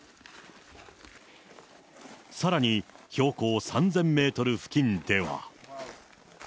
さらに、標高３０００メートル付近では。